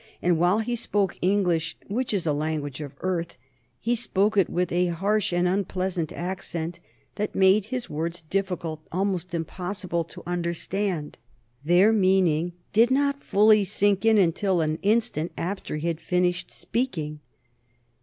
And while he spoke English, which is a language of Earth, he spoke it with a harsh and unpleasant accent that made his words difficult, almost impossible, to understand. Their meaning did not fully sink in until an instant after he had finished speaking.